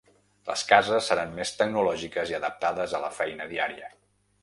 Les cases seran més tecnològiques i adaptades a la feina diària.